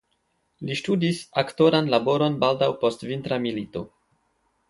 Li ŝtudis aktoran laboron baldaŭ post Vintra milito.